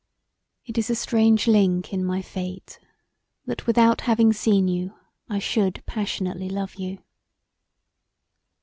"It is a strange link in my fate that without having seen you I should passionately love you.